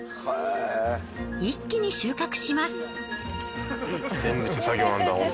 一気に収穫します。